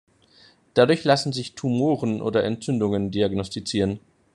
Dadurch lassen sich Tumoren oder Entzündungen diagnostizieren.